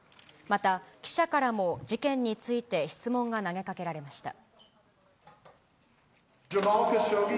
また記者からも事件について質問が投げかけられました。